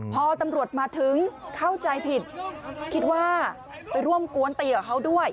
พอตำรวจมาถึงเข้าใจผิดคิดว่าไปร่วมกวนตีกับเขาด้วย